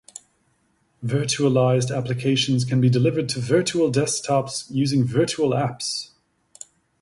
Virtualized applications can be delivered to virtual desktops using Virtual Apps.